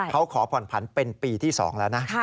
เขาขอผ่อนผันเป็นปีที่๒แล้วนะ